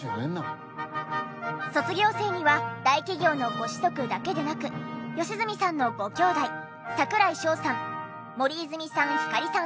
卒業生には大企業のご子息だけでなく良純さんのご兄弟櫻井翔さん森泉さん星さん